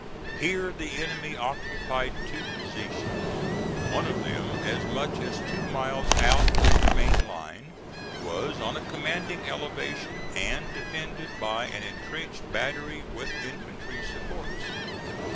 Here the enemy occupied two positions. One of them, as much as two miles out from his main line, was on a commanding elevation and defended by an intrenched battery with infantry supports.